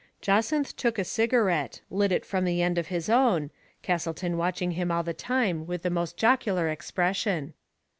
Jacynth took a cigarette, lit it from the end of his own, Castleton watching him all the time with the most jocular expression.